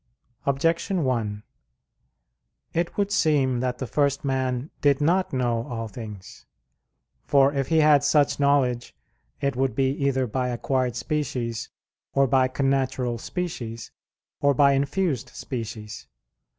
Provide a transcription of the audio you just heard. Objection 1: It would seem that the first man did not know all things. For if he had such knowledge it would be either by acquired species, or by connatural species, or by infused species.